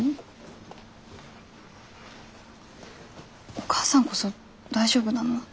お母さんこそ大丈夫なの？